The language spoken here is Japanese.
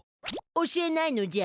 教えないのじゃ。